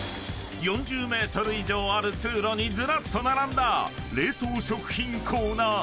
［４０ｍ以上ある通路にずらっと並んだ冷凍食品コーナー］